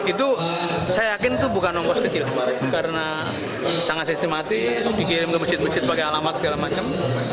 itu saya yakin itu bukan ongkos kecil kemarin karena sangat sistematis dikirim ke masjid masjid pakai alamat segala macam